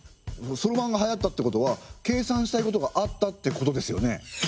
そろばんがはやったってことは計算したいことがあったってことですよね？